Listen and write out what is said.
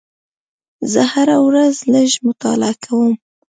زه هره ورځ لږ مطالعه کوم.